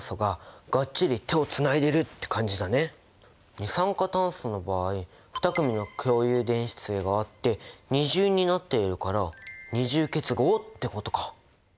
二酸化炭素の場合２組の共有電子対があって二重になっているから二重結合ってことか。